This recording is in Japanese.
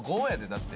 だって。